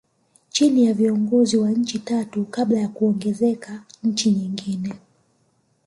Chini ya viongozi wa nchi tatu kabla ya kuongezeka nchi nyingine